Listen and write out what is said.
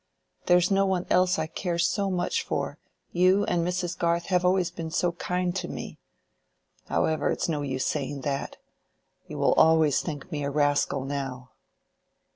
There's no one else I care so much for: you and Mrs. Garth have always been so kind to me. However, it's no use saying that. You will always think me a rascal now."